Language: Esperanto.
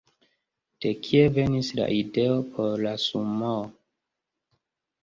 De kie venis la ideo por la sumoo?